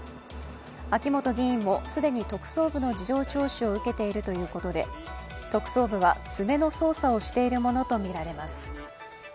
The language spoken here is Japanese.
秋本議員も既に特捜部の事情聴取を受けているということで特捜部は詰めの捜査をしているものとみられます。